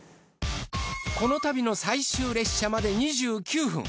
この旅の最終列車まで２９分。